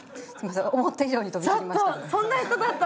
思った以上に飛び散りました。